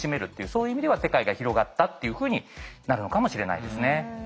そういう意味では世界が広がったっていうふうになるのかもしれないですね。